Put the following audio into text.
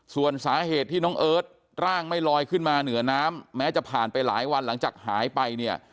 ส่วนสาเหตุที่น้องเอิร์ทร่างไม่ลอยขึ้นมาเหนือน้ำแม้จะผ่านไปหลายวันหลังจากหายไปเนี่ย